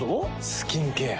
スキンケア。